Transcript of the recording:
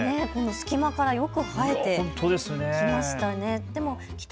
隙間からよく生えてきましたね。